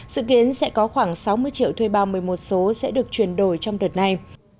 dự kiến sẽ có khoảng sáu mươi triệu thuê bao một mươi một số sẽ được chuyển đổi trong đợt này